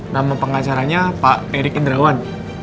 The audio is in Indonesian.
nama pengacaranya pak erick indrawan